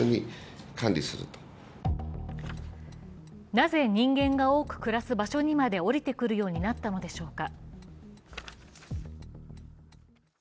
なぜ人間が多く暮らす場所にまで下りてくるようになったのでしょうか？